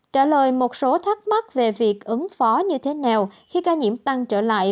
trả lời một số thắc mắc về việc ứng phó như thế nào khi ca nhiễm tăng trở lại